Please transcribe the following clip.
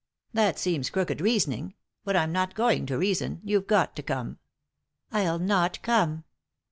" That seems crooked reasoning. But I'm not going to reason. You've got to come." "I'll not come."